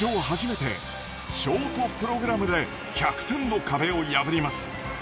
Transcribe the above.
初めてショートプログラムで１００点の壁を破ります。